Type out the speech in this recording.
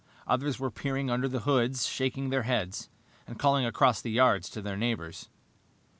Others were peering under the hoods, shaking their heads, and calling across the yards to their neighbors.